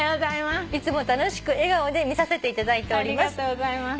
いつも楽しく笑顔で見させていただいております。